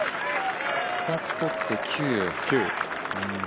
２つ取って９。